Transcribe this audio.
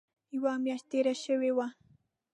یوه میاشت تېره شوې وه.